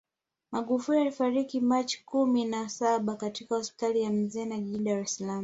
Magufuli alifariki Machi kumi na saba katika hospitali ya Mzena jijini Dar es Salaam